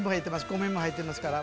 米も入ってますから。